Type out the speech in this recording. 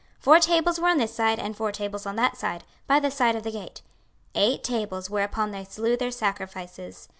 26:040:041 Four tables were on this side, and four tables on that side, by the side of the gate; eight tables, whereupon they slew their sacrifices.